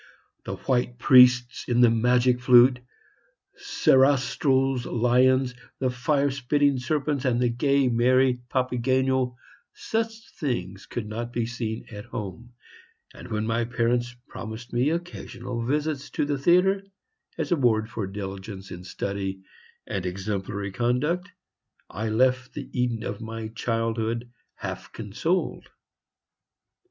The white priests in the "Magic Flute," Sarastro's lions, the fire spitting serpents, and the gay, merry Papageno, such things could not be seen at home; and when my parents promised me occasional visits to the theatre, as a reward for diligence in study and exemplary conduct, I left the Eden of my childhood, half consoled.